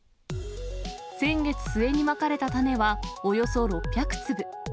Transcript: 先月末にまかれた種はおよそ６００粒。